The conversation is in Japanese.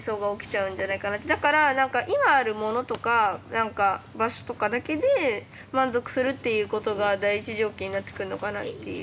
だから何か今あるものとか何か場所とかだけで満足するっていうことが第一条件になってくんのかなっていう。